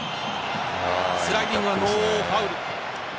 スライディングはノーファウル。